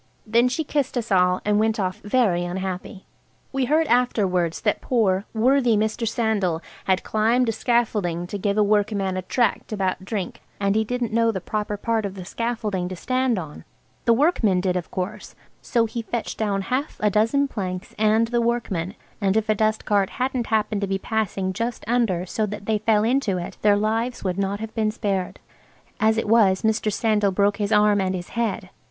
Then she kissed us all and went off very unhappy. We heard afterwards that poor, worthy Mr. Sandal had climbed a scaffolding to give a workman a tract about drink, and he didn't know the proper part of the scaffolding to stand on (the workman did, of course) so he fetched down half a dozen planks and the workman, and if a dust cart hadn't happened to be passing just under so that they fell into it their lives would not have been spared. As it was Mr. Sandal broke his arm and his head.